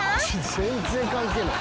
全然関係ない。